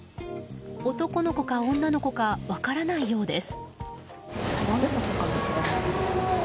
男の子か女の子か分からないようです。